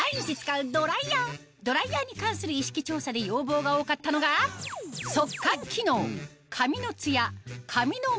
ドライヤーに関する意識調査で要望が多かったのがなど